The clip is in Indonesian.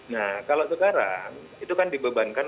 nah kalau sekarang itu kan dibebankan